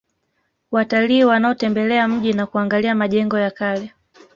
Watalii wanaotembelea mji na kuangalia majengo ya kale